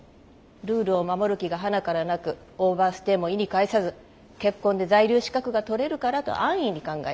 ルールを守る気がはなからなくオーバーステイも意に介さず結婚で在留資格が取れるからと安易に考えた。